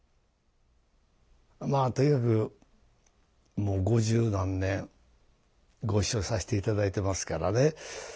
まあとにかくもう五十何年ご一緒させていただいてますからね。